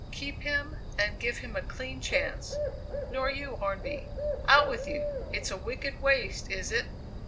Keep him and give him a clean chance. Nor you, Hornby! Out with you! It's a wicked waste, is it?